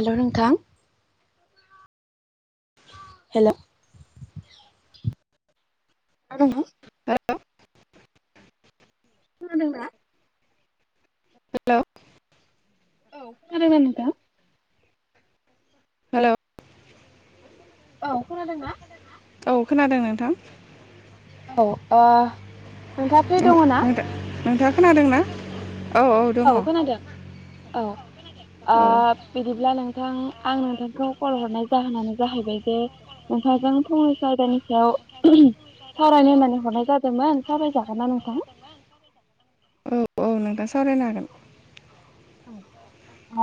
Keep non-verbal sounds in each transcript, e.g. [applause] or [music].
Hello नोंथां। [inaudible] Hello [inaudible] हेल' खोनादों ना? हेल' औ खोनादोंना नोंथां? हेल' औ खोनादों नोंथां। औ खोनादों नोंथां। औ ओ नोंथाङा फ्रि दङ ना? नों-नोंथाङा खोनादोंना औ खोनादों औ ओ औ बिदिब्ला नोंथां आं नोंथांखौ कल हरनाय जाहोनानो जाहैबाय जे नोंथांजों फंनैसो आयदानि सायाव सावरायनाय मनानै हरनाय जादोंमोन सावरायजागोना नोंथां औ नोंथां सावरायनो हागोन।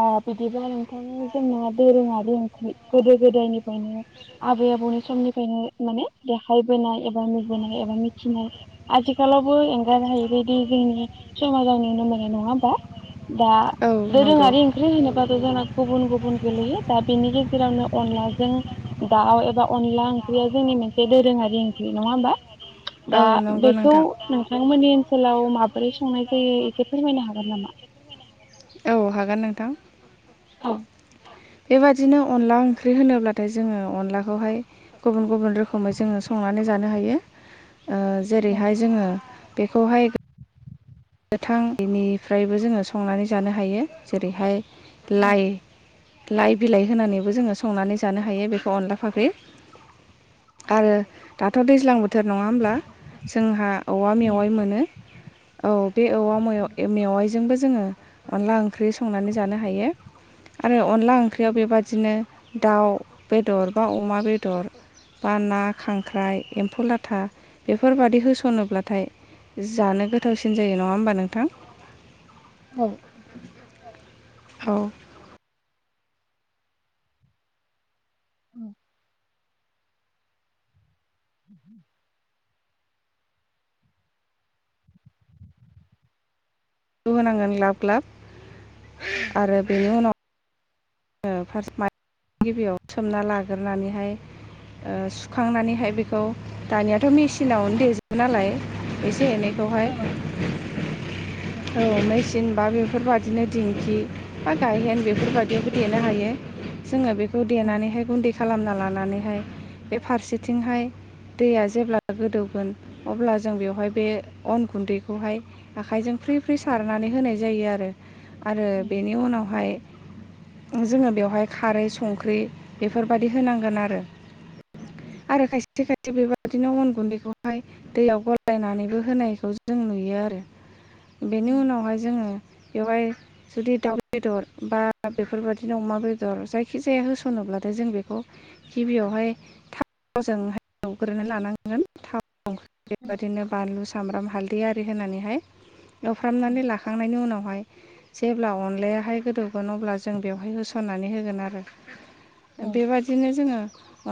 औ बिदिबा नोंथां जोंना दोरोङारि ओंख्रि गोदो गोदायनिफ्रायनो आबै आबौनि समनिफ्रायनो माने देखायबोनाय एबा नुबोनाय एबा मिथिनाय आथिखालावबो एंगार जायैबायदि जोंनि समाजाव नुनो मोननाय नङा होमबा दा दोरोङारि ओं ओंख्रि होनोबाथ' जोंना गुबुन गुबुन गोलैयो दा बेनि गेजेरावनो अनला दाउ एबा अनला ओंख्रिया जोंनि मोनसे दोरोङारि ओंख्रि नङा होमबा दा औ बेखौ नंगौ नोंथांमोननि ओनसोलाव माबोरै संनाय जायो एसे फोरमायनो हागोन नामा औ हागोन नोंथां। औ बेबादिनो अनला ओंख्रि होनोब्लाथाय जोङो अनलाखौहाय गुबुन गुबुन रोखोमै जोङो संनानै जानो हायो ओ‌ जेरैहाय जोङो बेखौहाय गोथां बेनिफ्रायबो जोङो संनानै जानो हायो जेरैहाय लाइ लाइ बिलाइ होनानैबो जोङो संनानै जानो हायो बेखौ अनला फाख्रि आरो दाथ' दैज्लां बोथोर नङा होमब्ला जोंहा औवा मेवाइ मोनो औ बे औवा मेवाइजोंबो जोङो अनला ओंख्रि संनानै जानो हायो आरो अनला ओंख्रियाव बेबादि बिदिनो दाउ बेदर बा अमा बेदर बा ना खांख्राइ एम्फौ लाथा बेफोरबादि होसनोब्लाथाय जानो गोथावसिन जायो नङा होमबा नोंथां औ औ [unintelligible] [inaudible] होनांगोन लाब लाब आरो बेनि उनाव फार्स्ट माइ गिबियाव सोमना लाग्रोनानैहाय सुखांनानैहाय बेखौ दानियाथ' मेसिनावनो देजोबो नालाय एसे एनैखौहाय औ औ मेचन बा बेफोरबायदिनो दिंखि बा गायहेन बेफोरबायदियाव देनो हायो जोङो बेखौ देनानैहाय गुन्दै खालामना लानानैहाय बे फारसेथिंहाय दैया जेब्ला गोदौगोन अब्ला जों बेवहाय बे अन गुन्दैखौहाय आखाइजों फ्रि फ्रि सारनानै होनाय जायो आरो आरो औ बेनि उनावहाय जोङो बेवहाय खारै संख्रि बेफोरबायदि होनांगोन आरो उम आरो खायसे खायसे बेबादिनो अन गुन्दैखौहाय दैयाव गलायनानैबो होनायखौ जों नुयो आरो औ बेनि उनावहाय जोङो बेवहाय जुदि दाउ बेदर बा द बेफोरबायदिनो अमा बेदर जायखिजाया होसनोब्लाथाय जों बेखौ गिबियावहाय थावजों एवग्रोनो लानांगौ। थंख्रि नोंथाङा बेबायदिनो बानलु सामब्राम हालदै आरि होनानैहाय एवफ्रामनानै लाखांनायनि उनावहाय जेब्ला अनलायाहाय गोदौगोन अब्ला जों बेवहाय होसननानै होगोन आरो बेबादिनो जोङो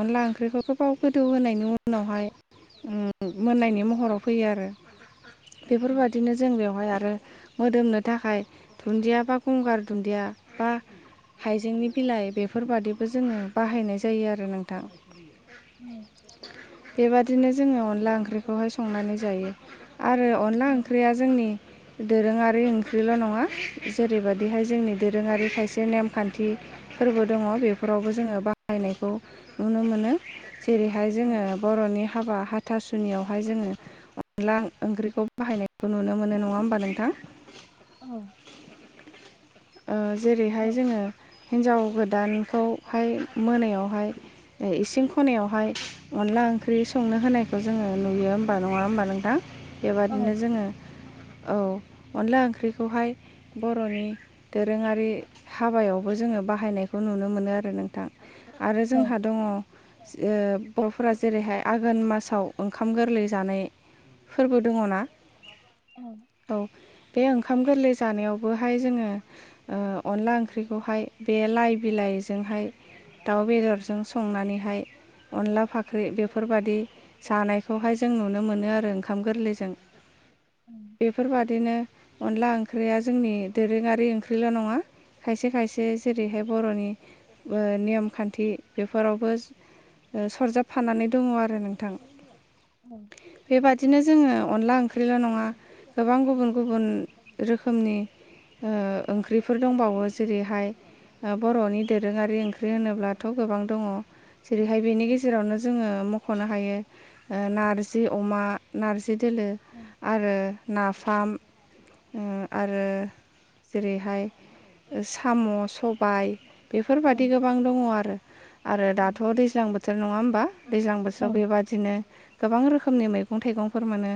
अनला ओंख्रिखौथ' बाव गोदौ होनायनि उनावहाय ओ मोननायनि महराव फैयो आरो बेफोरबायदिनो जों जों बेवहाय आरो मोदोमनो थाखाय दुन्दिया बा गंगार दुन्दिया बा हाइजेंनि बिलाइ बेफोरबादिबो जोङो बाहायनाय जायो आरो नोंथां औ बेबादिनो जोङो अनला ओंख्रिखौहाय संनानै जायो आरो अनला ओंख्रिया जोंनि दोरोङारि ओंख्रिल' नङा जेरैबादिहाय जोंनि दोरोङारि खायसे नेमखान्थि फोरबो दङ बेफोरावबो जोङो बाहायनायखौ नुनो मोनो जेरैहाय जोङो बर'नि हाबा हा- हाथासुनियावहाय जोङो अनला ओंख्रिखौ बाहायनायखौ नुनो मोनो नङा होमबा नोंथां औ जेरैहाय जोङो हिन्जाव गोदानखौहाय मोनायावहाय इसिं खनायावहाय अनला ओंख्रि संनो होनायखौ जोङो नुयो होमबा नङा होमबा नोंथां बेबादिनो जोङो औ अनला ओंख्रिखौहाय बर'नि दोरोङारि हाबायावबो जोङो बाहायनायखौ नुनो मोनो आरो नोंथां आरो जोंहा दङ बर'फोरा जेरैहाय आघोन मासाव ओंखाम गोरलै जानाय फोरबो दङ ना औ बे ओंखाम गोरलै जानायावबोहाय जोङो अनला ओंख्रिखौहाय बे लाइ बिलाइजोंहाय दाउ बेदरजों संनानैहाय अनला फाख्रि बेफोरबायदि जानायखौहाय जों नुनो मोनो आरो ओंखाम गोरलैजों बेफोरबादिनो अनला ओंख्रिया जोंनि दोरोङारि ओंख्रि ओंख्रिल' नङा खायसे खायसे जेरैहाय बर'नि नेम खान्थि बेफोरावबो सरजाबफानानै दङ आरो नोंथां बेबादि दिनो जोङो अनला ओंख्रिल' नङा गोबां गुबुन गुबुन रोखोमनि ओंख्रिफोर दंबावो जेरैहाय बर'नि दोरोङारि ओंख्रि होनोब्लाथ' गोबां दङ जेरैहाय बेनि गेजेरावनो जोङो मख'नो हायो नारजि अमा नारजि दोलो आरो नाफाम आरो जेरैहाय साम' सबाय बेफोरबादि गोबां गोबां दङ आरो आरो दाथ' दैज्लां बोथोर नङा होमबा दैज्लां बोथोराव बेबादिनो गोबां रोखोमनि मैगं थाइगंफोर मोनो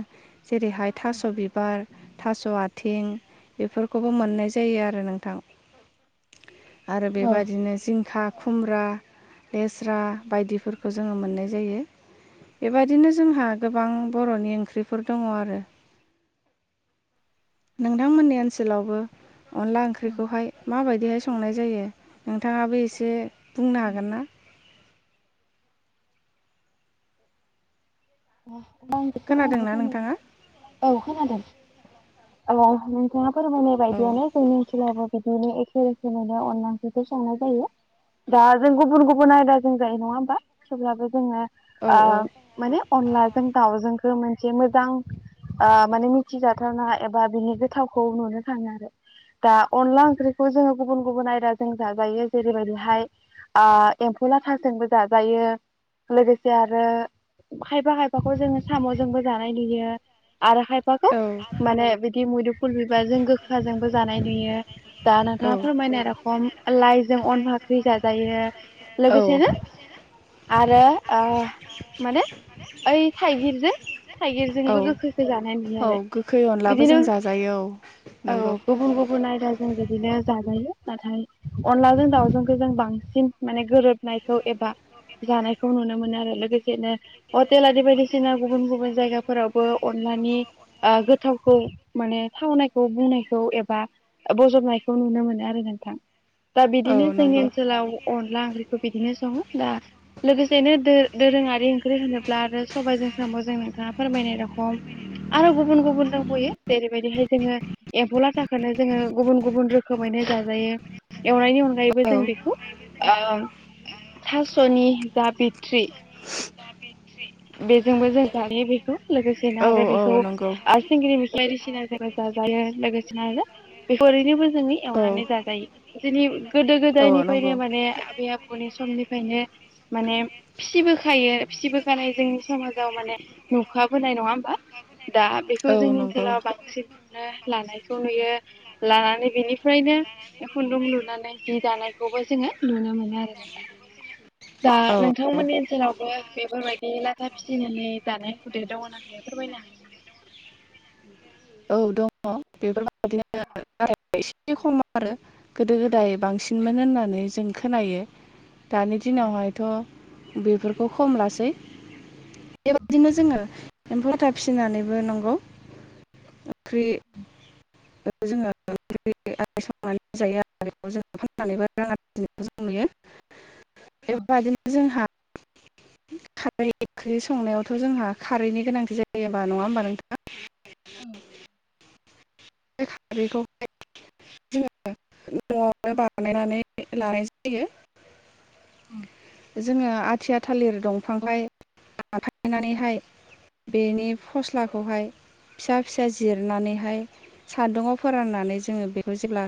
जेरैहाय थास' बिबार थास' आथिं बेफोरखौबो मोननाय जायो आरो नोंथां आरो बेबायदिनो जिंखा खुमब्रा लेस्रा बायदिफोरखौ जोङो मोननाय जायो बेबायदिनो जोंहा गोबां बर'नि ओंख्रिफोर दङ आरो। नोंथांमोननि ओनसोलाव बो अनला ओंख्रिखौहाय माबायदिहाय संनाय जायो नोंथाङाबो एसे बुंनो हागोन ना? आं बेखौ खोनादोंना नोंथाङा [unintelligible] औ खोनादों औ नोंथाङा फोरमायनाय औ बायदियानो जोंनि ओनसोलावबो बिदिनो एखे रोखोमैनो अनला ओंख्रिखौ संनाय जायो। दा जों गुबुन गुबुन आयदाजों जायो नङा होमबा? थेवब्लाबो जोङो औ औ आरो माने लाजों दाउजोंखौ मोनसे मोजां माने मिथिजाथावना एबा बिनि गोथावखौ नुनो थाङो आरो दा अनला ओंख्रिखौ जोङो गुबुन गुबुन आयदाजों जाजायो जेरैबायदिहाय आ एम्फौ लाथाजोंबो जाजायो लोगोसे आरो खायफा खायफाखौ जोङो साम'जोंबो जानाय नुयो आरो खायफाखौ दा माने बि मुदुमफुल बिबारजों गोखाजोंबो जानाय नुयो दा नोंथाङा फोरमायनाय रखम लाइजों अन फाख्रि जाजायो लोगोसेनो आरो ओ माने ओइ थाइगिर जे थाइगिरजोंबो गोखैखो जानाय नुयो आरो। गोखै औ गोखै अनलाबो बिदिनो जों जाजायो औ औ नंगौ गुबुन गुबुन आयदाजों बिदिनो जाजायो नाथाय अनलाजों दाउजोंखौ जों बांसिन माने गोरोबनायखौ एबा जानायखौ नुनो मोनो आरो लोगोसेनो हटेल आरि बायदिसिना गुबुन गुबुन जायगाफोरावबो अनलानि ओ गोथावखौ माने थावनायखौ बुंनायखौ एबा बजबनायखौ नुनो मोनो आरो नोंथां। दा औ बिदिनो जोंनि नंगौ ओनसोलाव अनला ओंख्रिखौ बिदिनो सङो दा लोगोसेनो दो दोरोङारि ओंख्रि होनो ब्ला आरो सबाइजों सामजों नोंथाङा फोरमायनाय रखम आरो गुबुन गुबुन दोंबयो जेरैबायदिहाय जोङो एम्फौ लाथाखोनो थाखायनो जोङो गुबुन गुबुन रोखोमैनो जाजायो। एवनायनि नोंथाङा अनगायैबो जों फोरमायनाय रखम औ बेखौ ओ थासनि बा बिथ्रि बेजोंबो जों जायो बेखौ। लोगोसेनो आरो बेखौ जाजायो आरो सिंग्रिमिखि बायदिसिनाजोंबो जाजायो लोगोसेनो आरो बेखो‌ ओरैनोबो जोङो एवनानै जाजायो। जोंनि गोदो गो ओरैनोबो दायनिफायनो माने आबै आबौनि समनिफायनो माने फिसिबोखायो फिसिबो जानाय जोंनि समाजाव माने नुखाबोनाय नङा होमबा? दा बेखौ जोंनि ओनसोलाव बांसिन नो लानायखौ नुयो। लानानै बेनिफ्रायनो लानानै बे खुन्दुं लुनानै जि दानायखौबो जोङो नुनो मोनो आरो नोंथां। दा बेनिफ्रायनो नोंथांमोननि ओनसोलावबो बेफोरबाय दि लाथा फिसिनानै जानाय हुदाया दङना गैया फोरमायनो हागोन ना? औ [unintelligible] [unintelligible] गोदो गोदाय बांसिनमोन होननानै जों खोनायो। दानि दिनावहायथ' बेफोरखौ खम लासै। बेबायदिनो जोङो एम्फौ लाथा फिसिनानैबो नगौ फ्रि [unintelligible] नुयो बेफोरबादिनो जोंहा [inaudible] खारै ओंख्रि संनायावथ जोंहा खारैनि गोनांथि जायो होमबा नङा होमबा नोंथाङा? [unintelligible] जोङो नआवनो बानायनानै लानाय जायो औ। जोङो आथिया थालिर दंफां [unintelligible] बेनि फस्लाखौहाय फिसा फिसा जिरनानैहाय सान्दुंआव फोराननानै जोङो बेखौ जेब्ला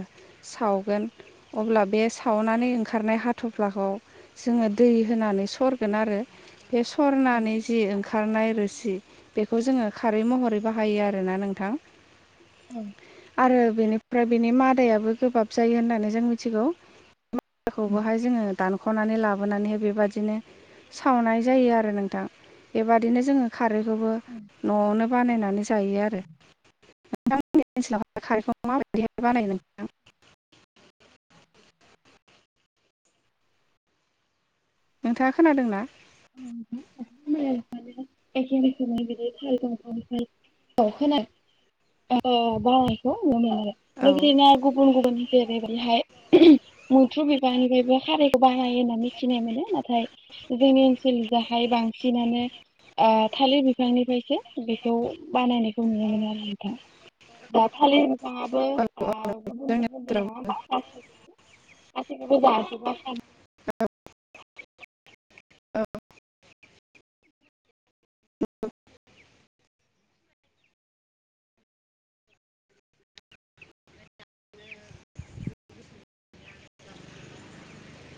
सावगोन अब्ला बे सावनानै ओंखारनाय हाथफ्लाखौ जोङो दै होनानै सरगोन आरो बे सरनानै जि ओंखारनाय रोसि बेखौ जोङो खारै महरै बाहायो आरोना नोंथां आरो बेनि ओमफ्राय बेनि मादायाबो गोबाब जायो होननानै जों मिथिगौ मादाखौबोहाय जोङो दानख माने लाबोनानै बेबायदिनो सावनाय जायो आरो नोंथां। बेबादिनो जोङो खारैखौबो नआवनो बानायनानै जायो आरो। [unintelligible] नोंथाङा खोनादों ना? [unintelligible] एखे रोखोमै बिदि थाल दंफांनिफाय, औ खोनादों औ बावनायखौ नुनो मोनो नंगौ औ लोगोसेनो गुबुन गुबुन जेरै बायदिहाय मैथ्रु बिफांनिफायबो खारैखो बानायो होनना मिथिनाय मोनो नाथाय जोंनि ओनसोलजाहाय बांसिनानो थालिर बिफांनिफ्रायसो बेखौ बानायनायखौ नुनो मोनो आरो नोंथां दा थालिर बिफाङाबो औ औ गुबुन जोंनि गुबुन दं ओनसोलाव नङा होनबा गासिबोखौबो जाजोबा औ